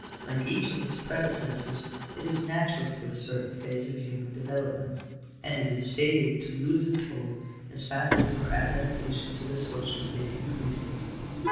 Like each of its predecessors, it is natural to a certain phase of human development. And it is fated to lose its hold as fast as our adaptation to the social state increases.